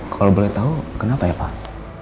kalau boleh tahu kenapa ya pak